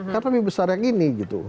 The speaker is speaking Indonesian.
kan lebih besar yang ini gitu